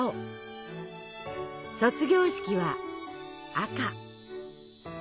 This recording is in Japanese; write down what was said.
卒業式は赤。